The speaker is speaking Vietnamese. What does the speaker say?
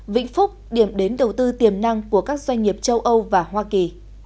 vĩnh phúc điểm đến đầu tư tiềm năng của các doanh nghiệp châu âu và hoa kỳ